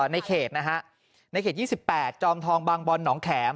ในเขต๒๘จอมทองบางบอลหนองแขม